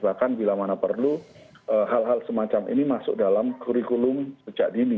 bahkan bila mana perlu hal hal semacam ini masuk dalam kurikulum sejak dini